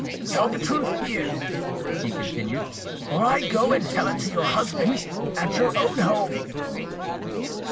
"Tell the truth here," he continued, "or I go and tell it to your husband, at your own home!"